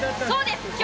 そうです！